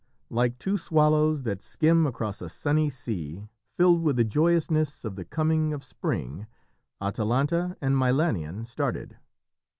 Like two swallows that skim across a sunny sea, filled with the joyousness of the coming of spring, Atalanta and Milanion started.